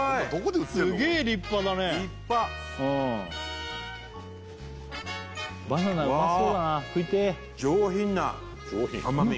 すげえ立派だね立派バナナうまそうだな食いてーわ上品な甘み